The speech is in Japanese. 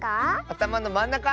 あたまのまんなか！